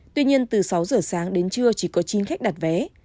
tuy nhiên từ sáu giờ sáng đến trưa chỉ có chín khách đặt vé